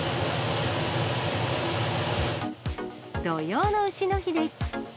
土用のうしの日です。